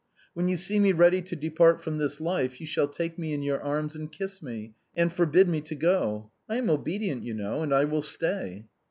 When you see me ready to depart from this life, you shall take me in your arms and kiss me, and forbid me to go. I am obedient, you know, and I will stay."